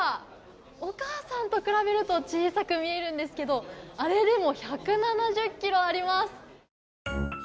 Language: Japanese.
お母さんと比べると小さく見えるんですけどあれでも１７０ｋｇあります。